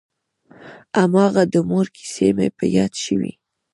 هماغه د مور کيسې مې په ياد شوې.